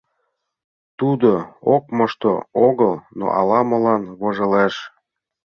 Тудо ок мошто огыл, но ала-молан вожылеш.